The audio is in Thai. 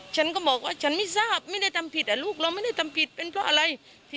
ฉันก็บอกว่าฉันไม่ทราบไม่ได้ทำผิดลูกเราไม่ได้ทำผิดเป็นเพราะอะไร